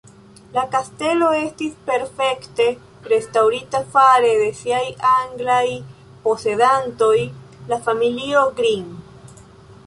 La kastelo estis perfekte restaŭrita fare de siaj anglaj posedantoj, la familio "Green".